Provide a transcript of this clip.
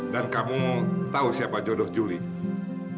dan kamu tahu siapa jodoh julie